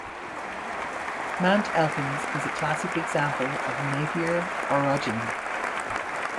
Mount Elkins is a classic example of Napier orogeny.